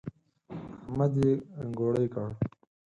احمد يې ګوړۍ کړ.